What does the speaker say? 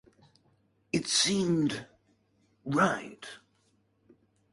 It seemed right.